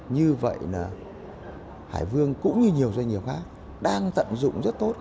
như vậy là hải vương cũng như nhiều doanh nghiệp khác đang tận dụng rất tốt